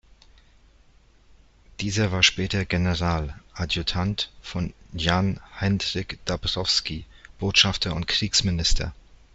Dieser war später General, Adjutant von Jan Henryk Dąbrowski, Botschafter und Kriegsminister.